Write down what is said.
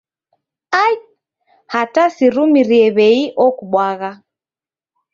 Ai hata sirumirie w'ei okubwagha.